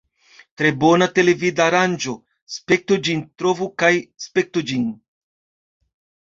Tre bona televidaranĝo; spektu ĝin trovu kaj spektu ĝin!